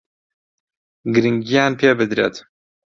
گرنگییان پێ بدرێت